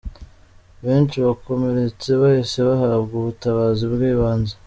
Benshi bakomeretse bahise bahabwa ubutabazi bw'ibanze.